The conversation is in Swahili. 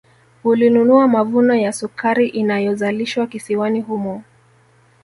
Ulinunua mavuno ya sukari inayozalishwa kisiwani humo